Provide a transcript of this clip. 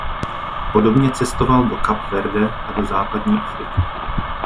Podobně cestoval do Cap Verde a do Západní Afriky.